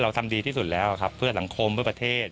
ทำดีที่สุดแล้วครับเพื่อสังคมเพื่อประเทศ